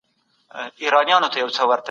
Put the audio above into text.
ورزش کول بدن قوي ساتي.